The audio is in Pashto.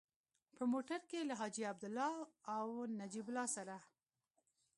په موټر کې له حاجي عبدالله او نجیب الله سره.